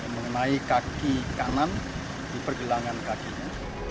mengenai kaki kanan di pergelangan kakinya